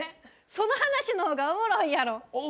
その話の方がおもろいやろ。